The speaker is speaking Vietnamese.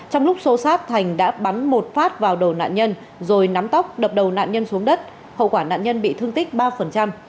trong lúc xô xát thành đã bắn một phát vào đầu nạn nhân rồi nắm tóc đập đầu nạn nhân xuống đất hậu quả nạn nhân bị thương tích ba